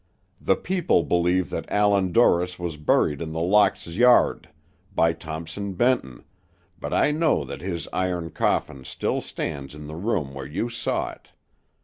The people believe that Allan Dorris was buried in The Locks' yard, by Thompson Benton, but I know that his iron coffin still stands in the room where you saw it.